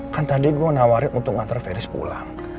kan tadi gue nawarin untuk ngantre ferdis pulang